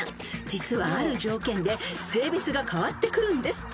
［実はある条件で性別が変わってくるんです］